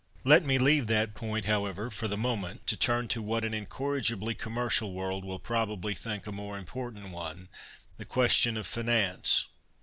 Let me leave that point, however, for the moment to turn to what an incorrigibly commercial world will probably think a more important one, the question of finance.